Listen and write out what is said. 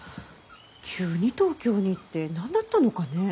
急に東京に行って何だったのかねぇ。